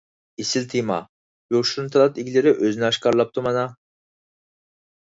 ئېسىل تېما! يوشۇرۇن تالانت ئىگىلىرى ئۆزىنى ئاشكارىلاپتۇ مانا.